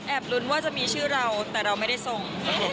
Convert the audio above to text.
ลุ้นว่าจะมีชื่อเราแต่เราไม่ได้ส่ง